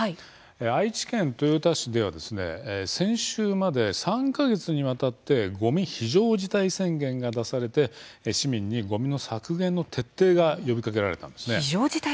愛知県豊田市では先週まで３か月にわたってごみ非常事態宣言が出されて市民に、ごみの削減の徹底が呼びかけられました。